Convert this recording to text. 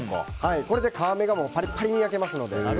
これで皮目がパリパリに焼けますので。